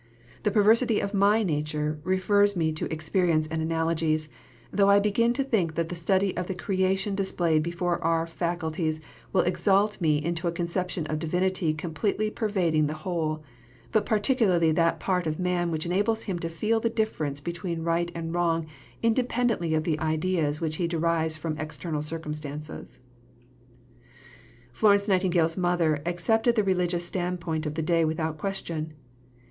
The perversity of my nature refers me to experience and analogies, though I begin to think that the study of the creation displayed before our faculties will exalt me into a conception of Divinity completely pervading the whole, but particularly that part of man which enables him to feel the difference between right and wrong independently of the ideas which he derives from external circumstances. Florence Nightingale's mother accepted the religious standpoint of the day without question.